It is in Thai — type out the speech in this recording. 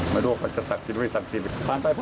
ไม่โดยความศักดิถไม่ตัว